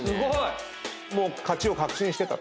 もう勝ちを確信してた？